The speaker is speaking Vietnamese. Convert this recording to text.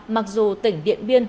mặc dù tỉnh điện biên